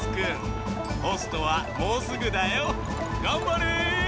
ポストはもうすぐだよがんばれ！